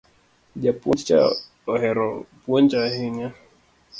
Japuonj cha ohero puonjo ahinya